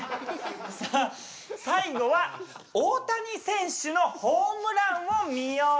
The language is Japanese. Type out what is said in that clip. さあ最後は大谷選手のホームランを見ようです。